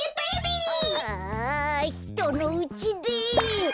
ああひとのうちで。